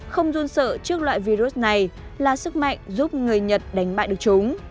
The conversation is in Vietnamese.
không run sợ trước loại virus này là sức mạnh giúp người nhật đánh bại được chúng